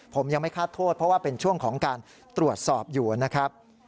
ผมยังไม่คาดโทษเพราะว่าเป็นช่วงของการตรวจสอบอยู่นะครับ